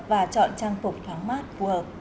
và chọn trang phục thoáng mát phù hợp